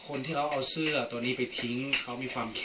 คนที่เราเอาเสื้อตัวนี้ไปทิ้งเขามีความแค้นใช่ไหมครับ